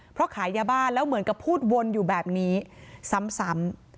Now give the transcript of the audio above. เพราะขายยาบ้าแล้วเหมือนกับพูดวนอยู่แบบนี้ซ้ำ